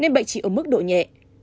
nên bệnh chỉ ở mức độ nhẹ